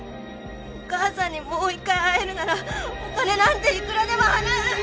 お母さんにもう一回会えるならお金なんていくらでも払う！